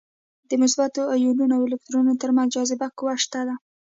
د مثبتو ایونونو او الکترونونو تر منځ جاذبې قوه شته ده.